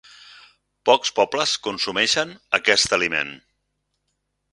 Pocs pobles consumeixen aquest aliment.